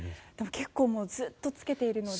結構もうずっと着けているので。